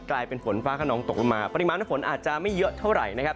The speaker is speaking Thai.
กลายเป็นฝนฟ้าขนองตกลงมาปริมาณน้ำฝนอาจจะไม่เยอะเท่าไหร่นะครับ